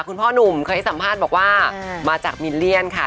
คุณพ่อหนุ่มเคยให้สัมภาษณ์บอกว่ามาจากมิลเลียนค่ะ